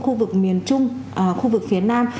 khu vực miền trung khu vực phía nam